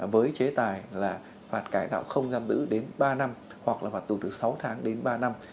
với chế tài là phạt cải đạo không giam đữ đến ba năm hoặc là phạt tù từ sáu tháng đến ba năm